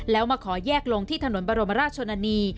แล้วมาขอแยกลงที่ถนนบรมราชชนนานี